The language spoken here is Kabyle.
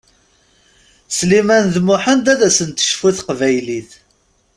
Sliman d Muḥend ad asen-tecfu teqbaylit.